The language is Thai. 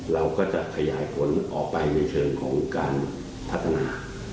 เราก็จะขยายผลออกไปในเชิงของการพัฒนา